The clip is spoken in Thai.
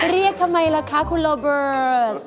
เรียกทำไมล่ะคะคุณโรเบิร์ต